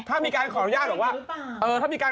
ถ้ามีการขออนุญาตบอกว่า